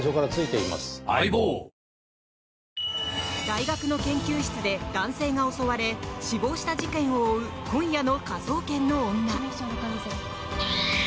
大学の研究室で男性が襲われ死亡した事件を追う今夜の「科捜研の女」。